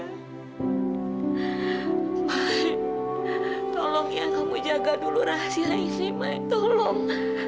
mai tolong ya kamu jaga dulu rahasia ini mai tolong